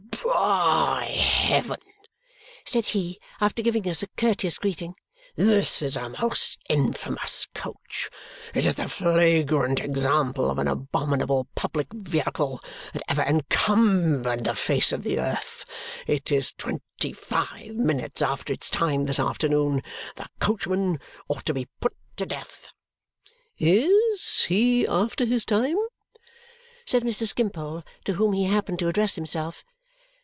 "By heaven!" said he after giving us a courteous greeting. "This a most infamous coach. It is the most flagrant example of an abominable public vehicle that ever encumbered the face of the earth. It is twenty five minutes after its time this afternoon. The coachman ought to be put to death!" "IS he after his time?" said Mr. Skimpole, to whom he happened to address himself.